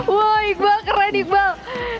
wah iqbal keren iqbal